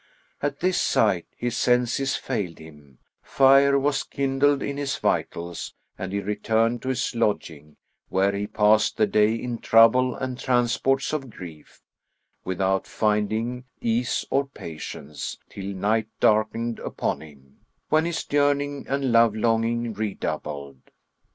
At this sight, his senses failed him; fire was kindled in his vitals and he returned to his lodging, where he passed the day in trouble and transports of grief, without finding ease or patience, till night darkened upon him, when his yearning and love longing redoubled.